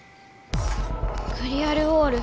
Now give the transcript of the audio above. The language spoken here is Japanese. クリアルウォール。